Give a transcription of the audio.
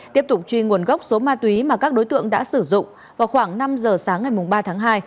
tiếp tục truy nguồn gốc số ma túy mà các đối tượng đã sử dụng vào khoảng năm giờ sáng ngày ba tháng hai